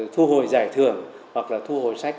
thu hồi giải thưởng hoặc là thu hồi sách